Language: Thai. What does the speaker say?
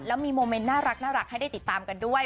แล้วมีโมเมนต์น่ารักให้ได้ติดตามกันด้วย